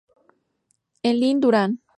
En Lin Durán.